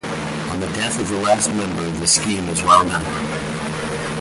On the death of the last member, the scheme is wound up.